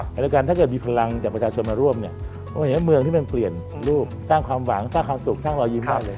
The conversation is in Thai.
ขณะเดียวกันถ้าเกิดมีพลังจากประชาชนมาร่วมเนี่ยเมืองที่มันเปลี่ยนรูปสร้างความหวังสร้างความสุขสร้างรอยยิ้มมากเลย